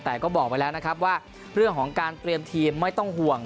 แต่ก็บอกไว้แล้วนะครับว่าเรื่องของการเตรียมทีมไม่ต้องห่วง